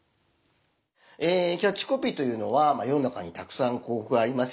キャッチコピーというのは世の中にたくさん広こくがありますよね。